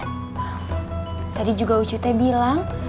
tadi juga ucu teh bilang